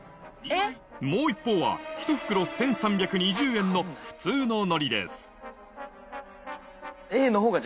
もう一方は１袋１３２０円の普通の海苔です